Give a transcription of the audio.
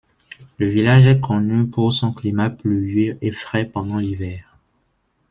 Le village est connu pour son climat pluvieux et frais pendant l'hiver.